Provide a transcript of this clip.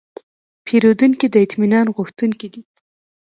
پیرودونکی د اطمینان غوښتونکی دی.